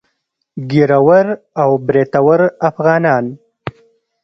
ږيره ور او برېتور افغانان.